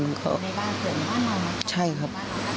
ในบ้านเกิดมากนอนนะครับ